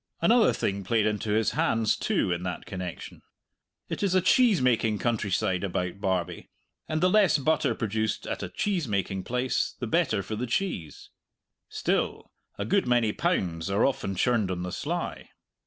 Another thing played into his hands, too, in that connection. It is a cheese making countryside about Barbie, and the less butter produced at a cheese making place, the better for the cheese. Still, a good many pounds are often churned on the sly.